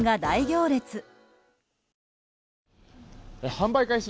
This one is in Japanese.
販売開始